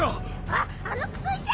あっあのクソ医者！